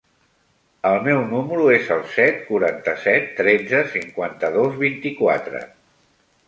El meu número es el set, quaranta-set, tretze, cinquanta-dos, vint-i-quatre.